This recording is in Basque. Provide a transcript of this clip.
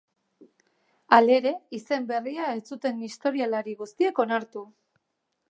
Halere, izen berria ez zuten historialari guztiek onartu.